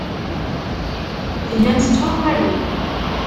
Tellam tettwakarem.